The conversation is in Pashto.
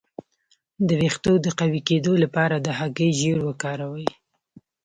د ویښتو د قوي کیدو لپاره د هګۍ ژیړ وکاروئ